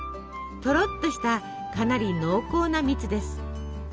とろっとしたかなり濃厚な蜜です。